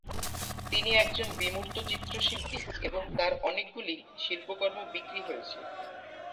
তিনি একজন বিমূর্ত চিত্রশিল্পী এবং তার অনেকগুলি শিল্পকর্ম বিক্রি হয়েছে।